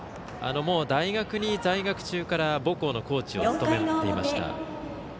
もう大学に在学中から母校のコーチを務めていました。